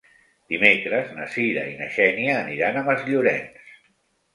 Dimecres na Cira i na Xènia aniran a Masllorenç.